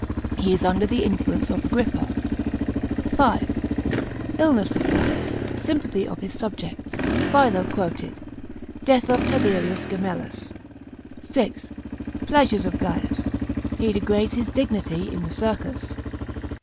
He is under the influence of Agrippa. § 5. Illness of Gaius. Sympathy of his subjects. Philo quoted. Death of Tiberius Gemellus. § 6. Pleasures of Gaius. He degrades his dignity in the circus.